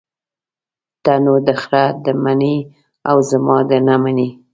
ته نو دخره ده منې او زما ده نه منې.